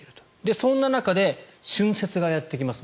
そんな中で春節がやってきます。